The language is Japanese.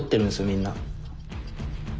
みんな。